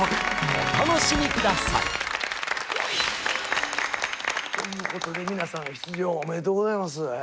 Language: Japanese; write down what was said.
お楽しみ下さい！ということで皆さん出場おめでとうございます。